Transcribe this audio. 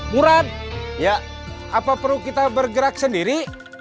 murad ya apa perlu kita bergerak sendiri